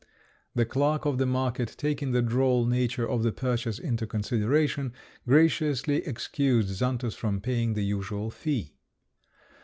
The clerk of the market, taking the droll nature of the purchase into consideration, graciously excused Xantus from paying the usual fee.